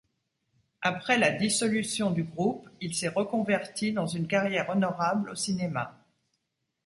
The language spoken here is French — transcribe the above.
Après la dissolution du groupe, il s'est reconverti dans une carrière honorable au cinéma.